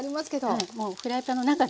はいもうフライパンの中で。